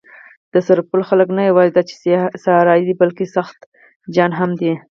د سرپل خلک نه یواځې دا چې صحرايي دي، بلکې سخت جان هم دي.